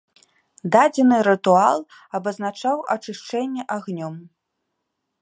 Дадзены рытуал абазначаў ачышчэнне агнём.